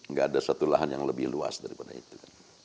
gak ada satu lahan yang lebih luas daripada itu